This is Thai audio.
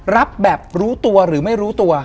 รับแบบรู้ตัวหรือไม่รู้ตัว